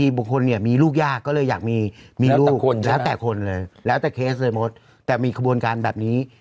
รกเอ่ยหรือบางทีพวกแบบ